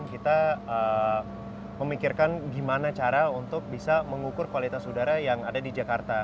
kita memikirkan gimana cara untuk bisa mengukur kualitas udara yang ada di jakarta